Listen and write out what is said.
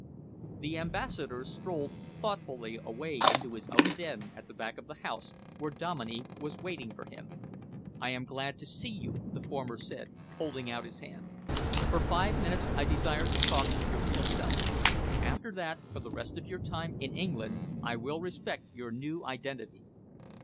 The Ambassador strolled thoughtfully away into his own den at the back of the house, where Dominey was waiting for him. "I am glad to see you," the former said, holding out his hand. "For five minutes I desire to talk to your real self. After that, for the rest of your time in England, I will respect your new identity."